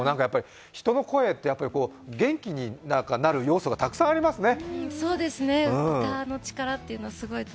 人の声って元気になる要素がたくさんありますね。